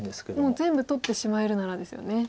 もう全部取ってしまえるならですよね。